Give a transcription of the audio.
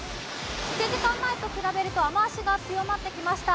１時間前と比べると雨足が強まってきました。